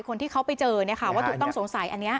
คนที่เขาไปเจอวัตถุต้องสงสัยอันนี้